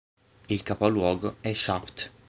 Il capoluogo è Shaft.